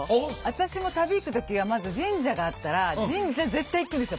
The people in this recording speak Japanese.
私も旅行く時はまず神社があったら神社絶対行くんですよ。